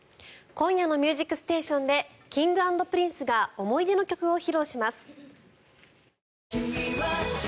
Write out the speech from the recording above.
今夜の「ミュージックステーション」でＫｉｎｇ＆Ｐｒｉｎｃｅが思い出の曲を披露します。